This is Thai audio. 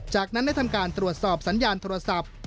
จากนั้นได้ทำการตรวจสอบสัญญาณโทรศัพท์